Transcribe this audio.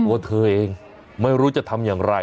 ตัวเธอเองไม่รู้จะทำอย่างไร